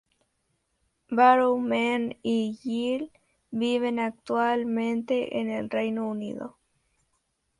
Barrowman y Gill viven actualmente en el Reino Unido.